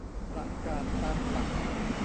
ประกาศตามหลัง